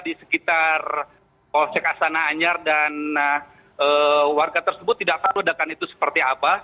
di sekitar polsek astana anyar dan warga tersebut tidak tahu ledakan itu seperti apa